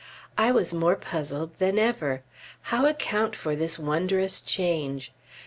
I was more puzzled than ever. How account for this wondrous change?...